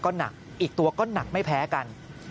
ตอนนี้ขอเอาผิดถึงที่สุดยืนยันแบบนี้